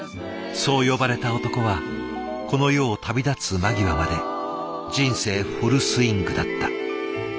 そう呼ばれた男はこの世を旅立つ間際まで人生フルスイングだった。